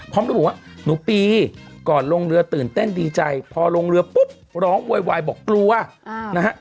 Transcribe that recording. พร้อมระบุว่าหนูปีก่อนลงเรือตื่นเต้นดีใจพอลงเรือปุ๊บร้องโวยวายบอกกลัวนะฮะ